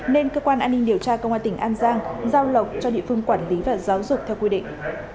nên cơ quan an ninh điều tra công an tỉnh an giang giao lộc cho địa phương quản lý và giáo dục theo quy định